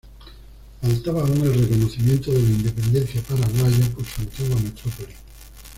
Faltaba aún el reconocimiento de la independencia paraguaya por su antigua metrópoli.